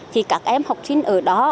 thì các em học sinh ở đó